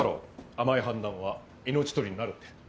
甘い判断は命取りになるって。